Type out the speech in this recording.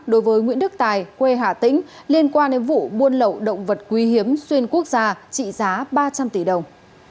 đối với nguyễn đức tài quê hà tĩnh liên quan đến vụ buôn lậu động vật quý hiếm xuyên quốc gia trị giá ba trăm linh tỷ đồng